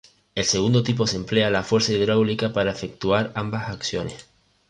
El segundo tipo se emplea la fuerza hidráulica para efectuar ambas acciones.